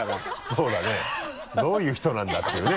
そうだねどういう人なんだっていうね。